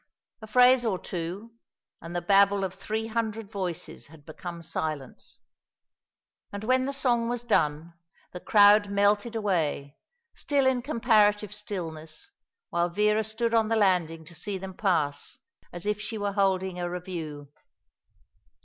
A phrase or two, and the babble of three hundred voices had become silence; and when the song was done the crowd melted away, still in comparative stillness, while Vera stood on the landing to see them pass, as if she were holding a review.